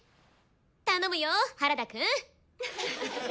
頼むよ原田くん！